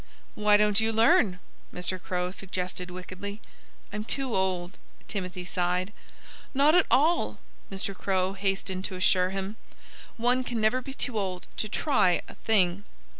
"Why don't you learn?" Mr. Crow suggested wickedly. "I'm too old," Timothy sighed. "Not at all!" Mr. Crow hastened to assure him. "One can never be too old to try a thing."